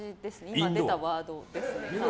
今出たワードですね。